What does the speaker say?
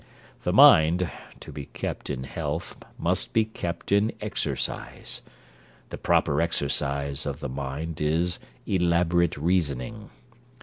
The mind, to be kept in health, must be kept in exercise. The proper exercise of the mind is elaborate reasoning.